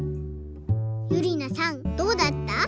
ゆりなさんどうだった？